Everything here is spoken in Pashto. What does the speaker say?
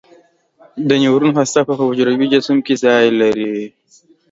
د نیورون هسته په حجروي جسم کې ځای لري.